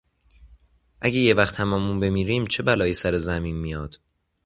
اگه یهوقت همهمون بمیریم، چه بلایی سر زمین میاد؟